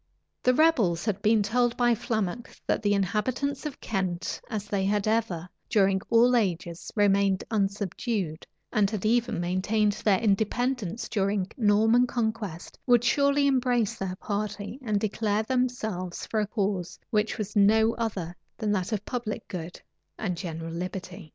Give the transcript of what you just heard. The rebels had been told by Flammoc that the inhabitants of Kent, as they had ever, during all ages, remained unsubdued, and had even maintained their independence during the Norman conquest, would surely embrace their party, and declare themselves for a cause which was no other than that of public good and general liberty.